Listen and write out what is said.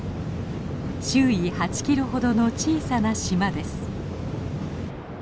周囲８キロほどの小さな島です。